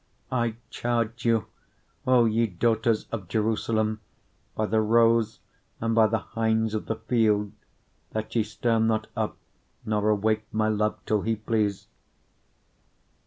3:5 I charge you, O ye daughters of Jerusalem, by the roes, and by the hinds of the field, that ye stir not up, nor awake my love, till he please.